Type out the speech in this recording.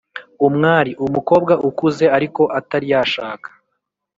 umwari: umukobwa ukuze ariko atari yashaka